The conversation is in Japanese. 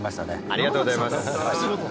ありがとうございます。